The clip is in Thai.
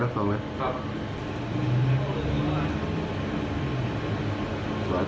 ครับ